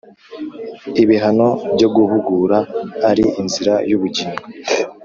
ibihano byo guhugura ari inzira y’ubugingo.